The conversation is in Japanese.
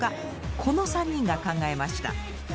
この３人が考えました。